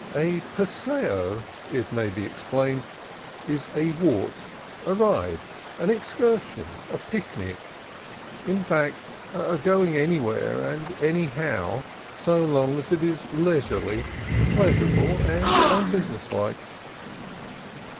(A paseo, it may be explained, is a walk, a ride, an ex cursion, a picnic, in fact, a going anywhere and any how, so long as it is leisurely, pleasurable, and un businesslike.)